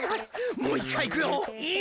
もう１かいいくよ。